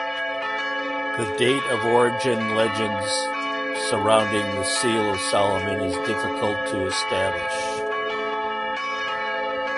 The date of origin legends surrounding the Seal of Solomon is difficult to establish.